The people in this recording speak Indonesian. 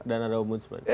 dan ada ombudsman